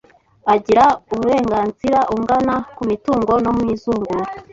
agira uurenganzira ungana ku mitungo no mu izungura